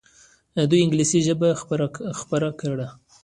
دوی انګلیسي ژبه خپره کړه.